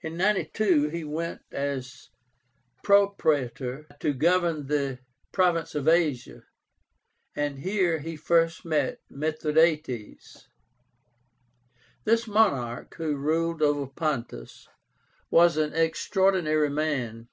In 92 he went as Propraetor to govern the province of Asia, and here he first met MITHRADÁTES. This monarch, who ruled over Pontus, was an extraordinary man.